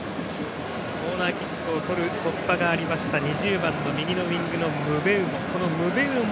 コーナーキックを取る突破があった２０番右のウイングのムベウモ。